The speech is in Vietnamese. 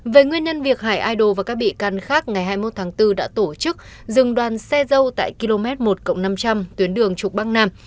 về nguyên nhân việc hải aido và các bị can khác ngày hai mươi một tháng bốn đã tổ chức dừng đoàn xe dâu tại km một năm trăm linh tuyến đường trục băng nam